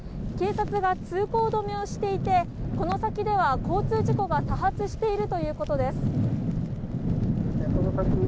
警察が通行止めをしていてこの先では交通事故が多発しているということです。